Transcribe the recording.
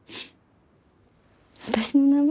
私の名前？